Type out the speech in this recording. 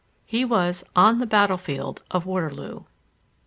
He was on the battle field of Waterloo.